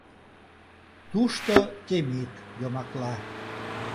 Тушто Темит йомакла...